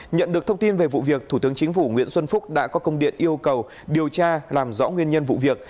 nhận được thông tin về vụ việc thủ tướng chính phủ nguyễn xuân phúc đã có công điện yêu cầu điều tra làm rõ nguyên nhân vụ việc